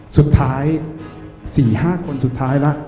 สุดท้าย๔๕คนสุดท้ายละ